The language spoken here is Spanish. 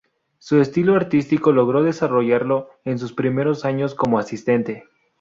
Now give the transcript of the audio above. Su estilo artístico logró desarrollarlo en sus primeros años como asistente.